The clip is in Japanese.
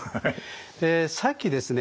えさっきですね